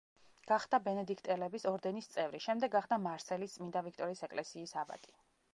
გახდა ბენედიქტელების ორდენის წევრი, შემდეგ გახდა მარსელის წმინდა ვიქტორის ეკლესიის აბატი.